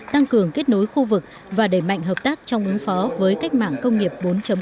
tăng cường kết nối khu vực và đẩy mạnh hợp tác trong ứng phó với cách mạng công nghiệp bốn